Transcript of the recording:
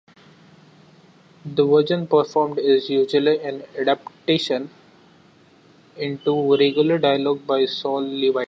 The version performed is usually an adaptation into regular dialogue by Saul Levitt.